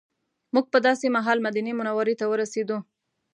موږ په داسې مهال مدینې منورې ته ورسېدو.